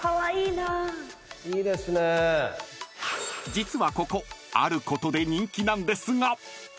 ［実はここあることで人気なんですが］